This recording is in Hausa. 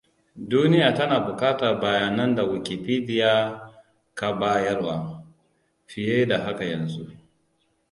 Duniya tana bukatar bayanan da Wikipeidia ka bayarwa, fiye da haka yanzu.